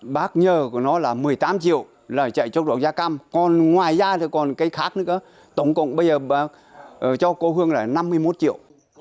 bác nhờ của nó là một mươi tám triệu là chạy chất độc da cam còn ngoài ra thì còn cái khác nữa tổng cộng bây giờ cho cô hương là năm mươi một triệu